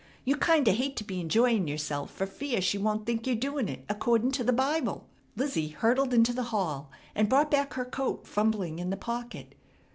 You kinda hate to be enjoyin' yerself fer fear she won't think yer doin' it accordin' to the Bible." Lizzie hurtled into the hall and brought back her coat, fumbling in the pocket.